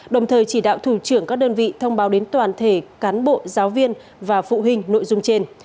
đồng thời chỉ đạo thủ trưởng các đơn vị thông báo đến toàn thể cán bộ giáo viên và phụ huynh nội dung trên